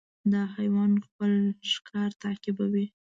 دا حیوان خپل ښکار تعقیبوي.